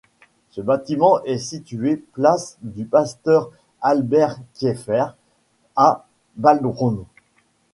Ce bâtiment est situé place du Pasteur-Albert-Kieffer à Balbronn.